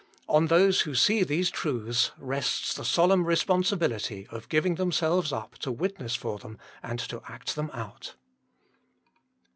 On those who see these truths, rests the solemn responsibility of giving themselves up to witness for them and to act them out.